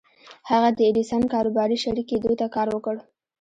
هغه د ايډېسن کاروباري شريک کېدو ته کار وکړ.